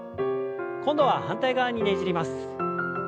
今度は反対側にねじります。